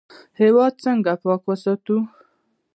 هیواد څنګه پاک وساتو؟